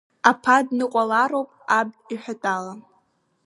Аԥа дныҟәалароуп аб иҳәатәала.